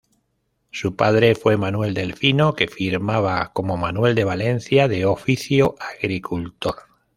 Su padre fue Manuel Delfino, que firmaba como Manuel de Valencia, de oficio agricultor.